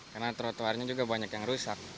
karena trotoarnya juga banyak yang rusak